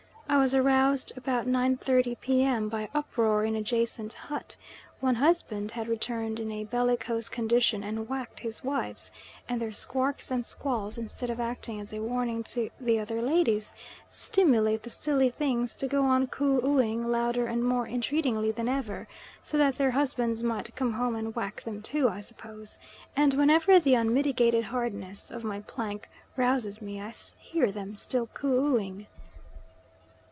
I was aroused about 9.30 P.M., by uproar in adjacent hut: one husband had returned in a bellicose condition and whacked his wives, and their squarks and squalls, instead of acting as a warning to the other ladies, stimulate the silly things to go on coo ooing louder and more entreatingly than ever, so that their husbands might come home and whack them too, I suppose, and whenever the unmitigated hardness of my plank rouses me I hear them still coo ooing.